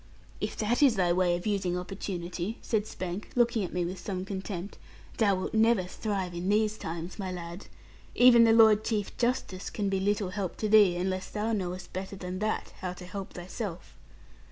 'If that is thy way of using opportunity,' said Spank, looking at me with some contempt, 'thou wilt never thrive in these times, my lad. Even the Lord Chief Justice can be little help to thee; unless thou knowest better than that how to help thyself.'